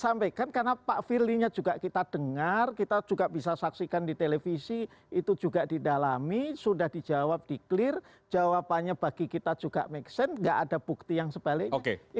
saya sampaikan karena pak firly nya juga kita dengar kita juga bisa saksikan di televisi itu juga didalami sudah dijawab di clear jawabannya bagi kita juga make sense gak ada bukti yang sebaliknya